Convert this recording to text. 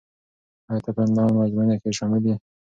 ایا ته په انلاین ازموینه کې شامل یې؟